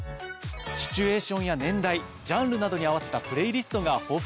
シチュエーションや年代ジャンルなどに合わせたプレイリストが豊富なんですよね。